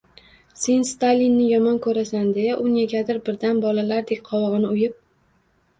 — Sen Stalinni yomon ko’rasan! – deya u negadir birdan bolalardek qovog’ini uyib.